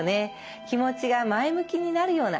気持ちが前向きになるような